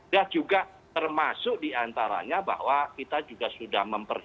tapi juga termasuk diantaranya bahwa kita juga sudah mempertimbangkan